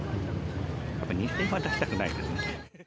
やっぱ２０００円は出したくないね。